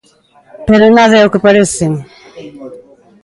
Pero nada é o que parece.